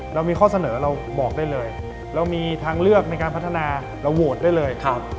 เรามีข้อเสนอเรามีทางเลือกในการพัฒนาแล้วโหวตได้เลย